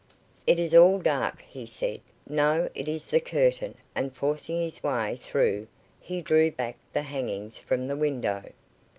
"It is all dark," he said. "No it is the curtain," and forcing his way through, he drew back the hangings from the window.